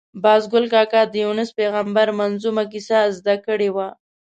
باز ګل کاکا د یونس پېغمبر منظمومه کیسه زده کړې وه.